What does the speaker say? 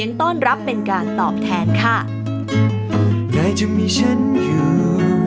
อยู่ด้วยกันไหนจะมีฉันอยู่